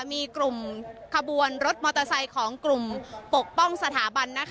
มีกลุ่มขบวนรถมอเตอร์ไซค์ของกลุ่มปกป้องสถาบัน